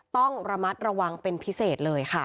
ต้องระมัดระวังเป็นพิเศษเลยค่ะ